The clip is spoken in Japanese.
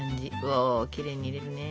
おきれいに入れるね。